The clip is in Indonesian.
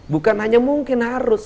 bukan hanya mungkin harus